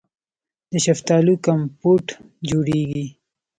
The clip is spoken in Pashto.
د شفتالو کمپوټ جوړیږي.